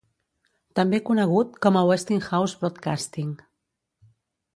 També conegut com a Westinghouse Broadcasting.